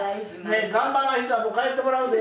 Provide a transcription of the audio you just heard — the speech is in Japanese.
頑張んない人はもう帰ってもらうで。